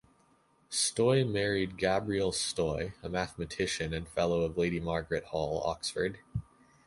Stoy married Gabrielle Stoy, a mathematician and Fellow of Lady Margaret Hall, Oxford.